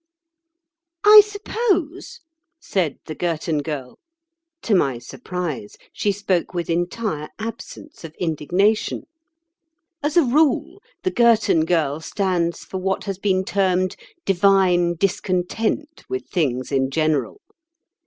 "I suppose," said the Girton Girl—to my surprise she spoke with entire absence of indignation. As a rule, the Girton Girl stands for what has been termed "divine discontent" with things in general.